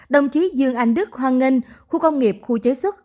đồng chí dương anh đức hoan nghênh khu công nghiệp khu chế xuất